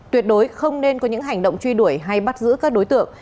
tuyệt đối không nên có những hành động truy đuổi hay bắt giữ các đối tượng